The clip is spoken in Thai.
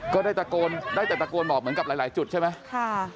ก็ได้ตะโกนได้แต่ตะโกนบอกเหมือนกับหลายจุดใช่ไหม